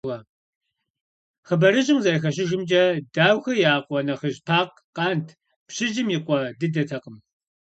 Хъыбарыжьым къызэрыхэщыжымкӏэ, Даухэ я къуэ нэхъыжь Пакъ – къант, пщыжьым и къуэ дыдэтэкъым.